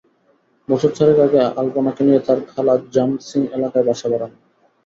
বছর চারেক আগে আলপনাকে নিয়ে তাঁর খালা জামসিং এলাকায় বাসা ভাড়া নেন।